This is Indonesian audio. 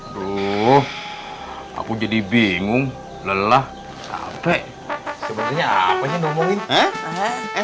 tuh aku jadi bingung lelah capek sebetulnya apa yang ngomongin eh eh